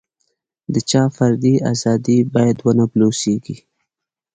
د چا فردي ازادي باید ونه بلوسېږي.